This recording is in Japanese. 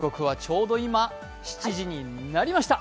時刻はちょうど今、７時になりました。